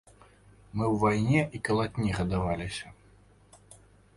Мы ў вайне і калатні гадаваліся.